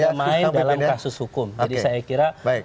tidak main dalam kasus hukum jadi saya kira